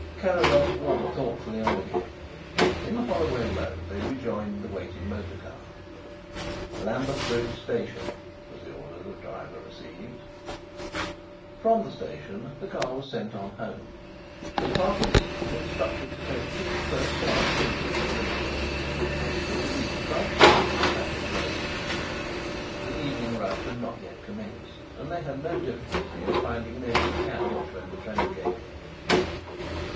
Carrados walked thoughtfully on again. In the Holloway Road they rejoined the waiting motor car. "Lambeth Bridge Station" was the order the driver received. From the station the car was sent on home and Parkinson was instructed to take two first class singles for Richmond, which could be reached by changing at Stafford Road. The "evening rush" had not yet commenced and they had no difficulty in finding an empty carriage when the train came in.